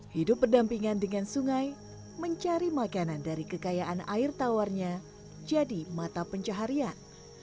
hidup berdampingan dengan sungai mencari makanan dari kekayaan air tawarnya jadi mata pencaharian